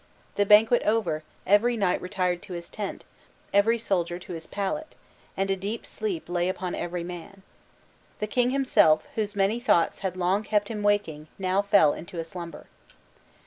The banquet over, every knight retired to his tent; every soldier to his pallet; and a deep sleep lay upon every man. The king himself, whose many thoughts had long kept him waking, now fell into a slumber.